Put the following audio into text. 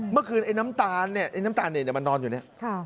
เมื่อคืนไอ้น้ำตาลเนี่ยไอ้น้ำตาลเนี่ยมันนอนอยู่เนี่ย